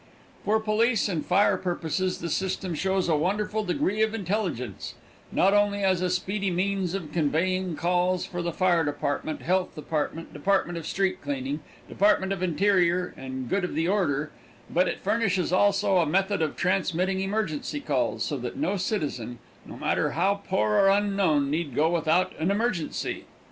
For police and fire purposes the system shows a wonderful degree of intelligence, not only as a speedy means of conveying calls for the fire department, health department, department of street cleaning, department of interior and good of the order, but it furnishes also a method of transmitting emergency calls, so that no citizen no matter how poor or unknown need go without an emergency.